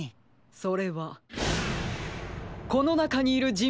それはこのなかにいるじんぶつです。